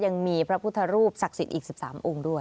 ยังมีพระพุทธรูปศักดิ์สิทธิ์อีก๑๓องค์ด้วย